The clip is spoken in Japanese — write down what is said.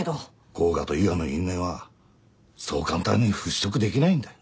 甲賀と伊賀の因縁はそう簡単に払拭できないんだよ。